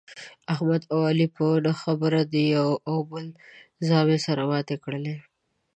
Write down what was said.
احمد او علي په نه خبره د یوه او بل زامې سره ماتې کړلې.